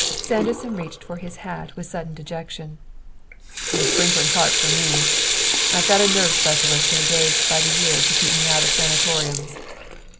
Sanderson reached for his hat with sudden dejection. "The sprinkling cart for me! I've got a nerve specialist engaged by the year to keep me out of sanatoriums.